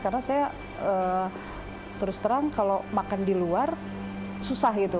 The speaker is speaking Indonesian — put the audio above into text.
karena saya terus terang kalau makan di luar susah gitu